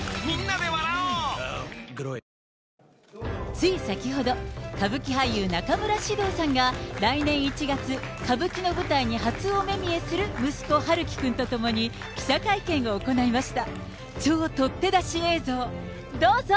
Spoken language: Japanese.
つい先ほど、歌舞伎俳優、中村獅童さんが、来年１月、歌舞伎の舞台に初お目見えする息子、陽喜くんと共に、記者会見を行いました。